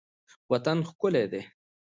وطن ښکلی دی.